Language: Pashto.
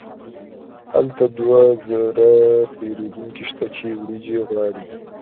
هلته دوه زره پیرودونکي شته چې وریجې غواړي.